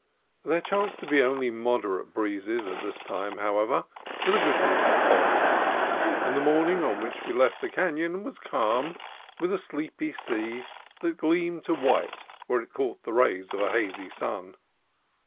There chanced to be only moderate breezes at this time, however, with a good deal of fog; and the morning on which we left the canon was calm, with a sleepy sea that gleamed to white where it caught the rays of a hazy sun.